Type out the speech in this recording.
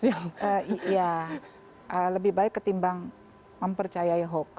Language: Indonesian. iya lebih baik ketimbang mempercayai hoax